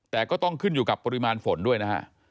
แต่ก็ต้องขึ้นอยู่กับปริมาณฝนด้วยนะฮะ